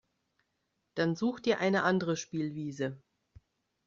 Dann such dir eine andere Spielwiese.